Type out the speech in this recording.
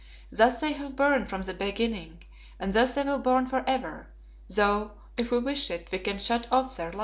Thus they have burned from the beginning, and thus they will burn for ever, though, if we wish it, we can shut off their light.